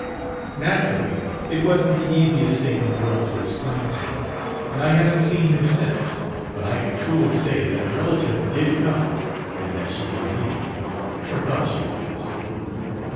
"Naturally it wasn't the easiest thing in the world to explain to him, and I haven't seen him since. But I can truly say that a relative did come, and that she was needed or thought she was."